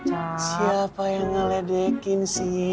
siapa yang ngeledekin sih